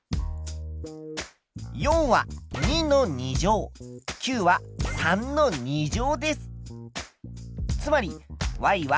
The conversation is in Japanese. ４は２の２乗９は３の２乗です。